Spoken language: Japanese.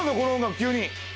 急に。